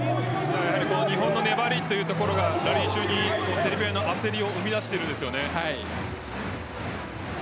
日本の粘りというところがラリー中に、セルビアの焦りを生み出しているんですよね。